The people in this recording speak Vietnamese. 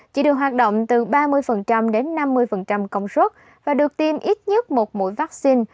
chỉ được hoạt động từ ba mươi đến năm mươi công suất và được tiêm ít nhất một mũi vaccine